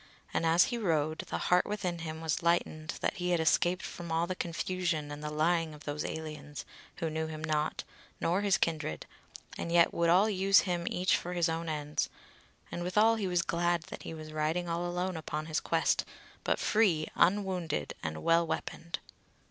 And as he rode, the heart within him was lightened that he had escaped from all the confusion and the lying of those aliens, who knew him not, nor his kindred, and yet would all use him each for his own ends: and withal he was glad that he was riding all alone upon his quest, but free, unwounded, and well weaponed.